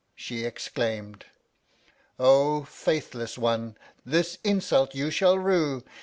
She exclaimed : Oh, faithless one, this insult you shall rue!